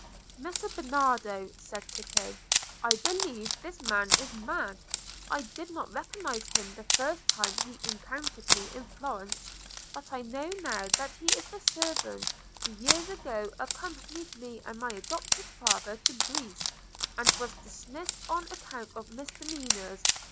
"Messer Bernardo," said Tito, "I believe this man is mad. I did not recognise him the first time he encountered me in Florence, but I know now that he is the servant who years ago accompanied me and my adoptive father to Greece, and was dismissed on account of misdemeanours.